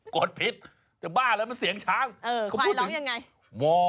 โกรธผิดจะบ้าอะไรมันเสียงช้างเออควายร้องยังไงโห